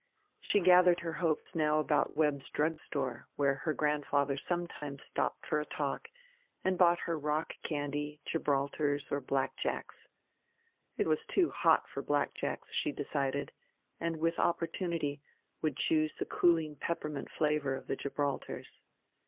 She gathered her hopes now about Webb's Drugstore, where her grandfather sometimes stopped for a talk, and bought her rock candy, Gibraltars or blackjacks. It was too hot for blackjacks, she decided, and, with opportunity, would choose the cooling peppermint flavor of the Gibraltars.